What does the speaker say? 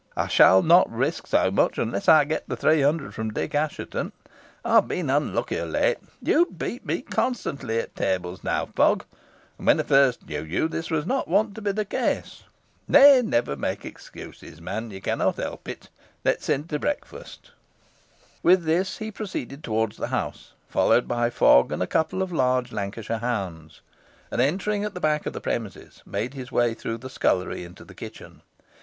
"I shall not risk so much, unless I get the three hundred from Dick Assheton. I have been unlucky of late. You beat me constantly at tables now, Fogg, and when I first knew you this was not wont to be the case. Nay, never make any excuses, man; you cannot help it. Let us in to breakfast." With this, he proceeded towards the house, followed by Fogg and a couple of large Lancashire hounds, and, entering at the back of the premises, made his way through the scullery into the kitchen.